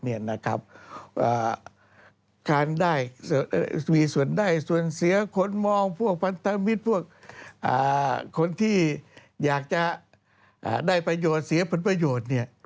การได้มีส่วนได้ส่วนเสียคนมองพวกพันธมิตรพวกคนที่อยากจะได้ประโยชน์เสียผลประโยชน์